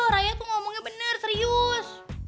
raya tuh ngomongnya bener serius